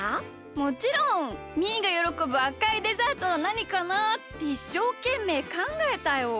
もちろん！みーがよろこぶあかいデザートはなにかなあ？っていっしょうけんめいかんがえたよ。